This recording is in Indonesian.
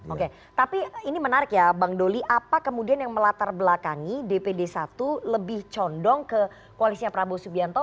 oke tapi ini menarik ya bang doli apa kemudian yang melatar belakangi dpd satu lebih condong ke koalisnya prabowo subianto